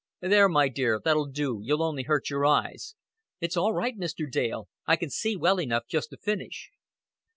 "There, my dear, that'll do. You'll only hurt your eyes." "It's all right, Mr. Dale. I can see well enough just to finish."